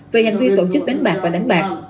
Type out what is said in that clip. về hành vi tổ chức đánh bạc và đánh bạc